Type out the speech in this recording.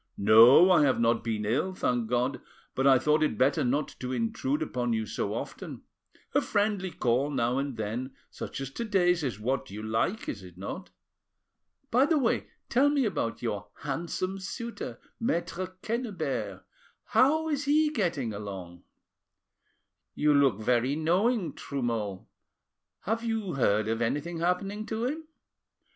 No, I have not been ill, thank God, but I thought it better not to intrude upon you so often. A friendly call now and then such as to day's is what you like, is it not? By the way, tell me about your handsome suitor, Maitre Quennebert; how is he getting along?" "You look very knowing, Trumeau: have you heard of anything happening to him?"